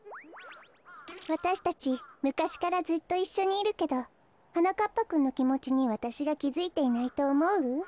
わたしたちむかしからずっといっしょにいるけどはなかっぱくんのきもちにわたしがきづいていないとおもう？